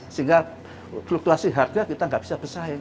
sehingga fluktuasi harga kita nggak bisa bersaing